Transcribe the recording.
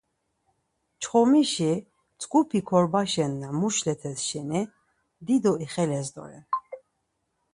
Mçxomişi mtzǩupi korbaşen na muşletes şeni dido ixeles doren.